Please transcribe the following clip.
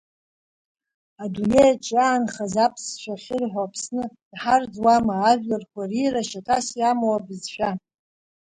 Адунеи аҿы иаанхаз аԥсшәа ахьырҳәо Аԥсны иҳарӡуама ажәларқәа рира шьаҭас иамоу абызшәа?